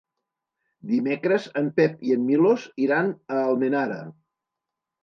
Dimecres en Pep i en Milos iran a Almenara.